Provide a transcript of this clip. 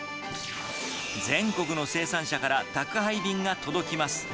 全国の生産者から宅配便が届きます。